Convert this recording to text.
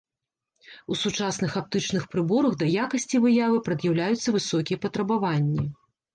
У сучасных аптычных прыборах да якасці выявы прад'яўляюцца высокія патрабаванні.